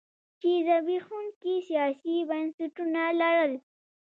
چې زبېښونکي سیاسي بنسټونه لرل.